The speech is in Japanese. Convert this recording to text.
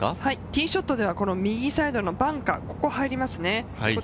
ティーショットでは右サイドのバンカー、ここ入りますね。